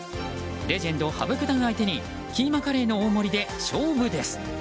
レジェンド羽生九段相手にキーマカレーの大盛りで勝負です。